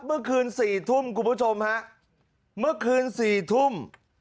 เมื่อคืน๔ทุ่มคุณผู้ชมฮะเมื่อคืน๔ทุ่ม